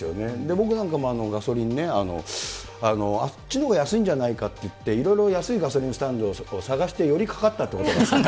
僕なんかもガソリンね、あっちのほうが安いんじゃないかっていって、いろいろ、安いガソリンスタンドを探してよりかかったということがあった。